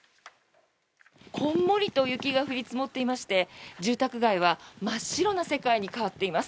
こんもりと雪が降り積もっていまして住宅街は真っ白な世界に変わっています。